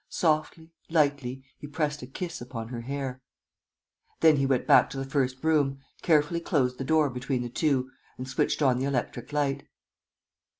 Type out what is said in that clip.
Softly, lightly, he pressed a kiss upon her hair. Then he went back to the first room, carefully closed the door between the two and switched on the electric light.